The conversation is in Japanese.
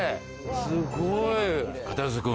すごい。